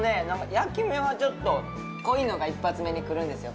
焼き目はちょっと濃いのが一発目にくるんですよ